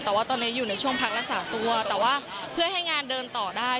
แต่ว่าตอนนี้อยู่ในช่วงพักรักษาตัวแต่ว่าเพื่อให้งานเดินต่อได้